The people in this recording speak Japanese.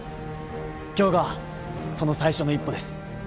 今日がその最初の一歩です。